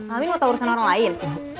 amin mau tau urusan orang lain